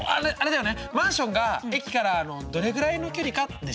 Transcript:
マンションが駅からどれぐらいの距離か？でしょ。